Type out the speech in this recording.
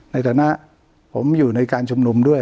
ในฐานะผมอยู่ในการชุมนุมด้วย